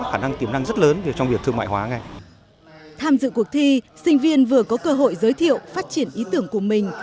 tham dự cuộc thi sinh viên vừa có cơ hội giới thiệu phát triển ý tưởng của mình